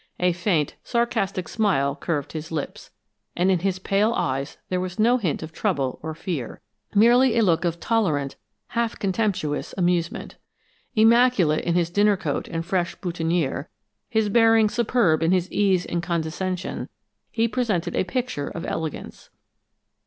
A faint, sarcastic smile curved his lips, and in his pale eyes there was no hint of trouble or fear merely a look of tolerant, half contemptuous amusement. Immaculate in his dinner coat and fresh boutonnière, his bearing superb in his ease and condescension, he presented a picture of elegance.